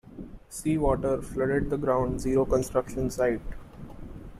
Sea water flooded the Ground Zero construction site.